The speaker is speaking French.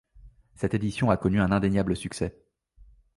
Cette édition a connu un indéniable succès.